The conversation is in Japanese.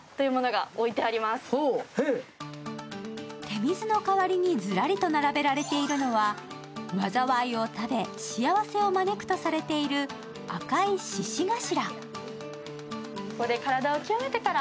手水の代わりにずらりと並べられているのは災いを食べ、幸せを招くとされている赤い獅子頭。